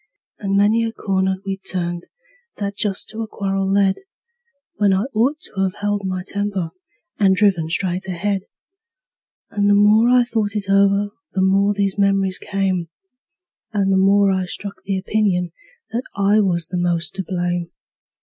And many a corner we'd turned that just to a quarrel led, When I ought to 've held my temper, and driven straight ahead; And the more I thought it over the more these memories came, And the more I struck the opinion that I was the most to blame.